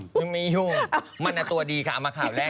ยังไม่อยู่มันตัวดีค่ะเอามาข่าวแรก